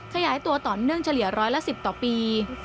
ขยายตัวต่อเนื่องเฉลี่ยร้อยละ๑๐ต่อปี